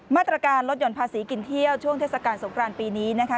มาตรการลดหย่อนภาษีกินเที่ยวช่วงเทศกาลสงครานปีนี้นะคะ